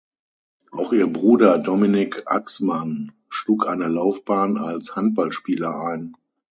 Auch ihr Bruder Dominik Axmann schlug eine Laufbahn als Handballspieler ein.